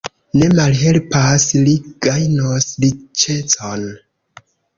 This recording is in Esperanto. Ne malhelpas! li gajnos riĉecon.